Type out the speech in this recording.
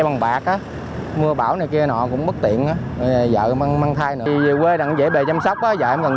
bằng bạc mưa bão này kia nó cũng bất tiện vợ mang thai nữa quê đang dễ bề chăm sóc vợ em cần